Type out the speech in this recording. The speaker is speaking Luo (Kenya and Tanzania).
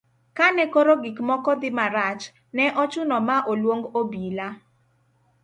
kane koro gik moko dhi marach, ne ochuno ma oluong obila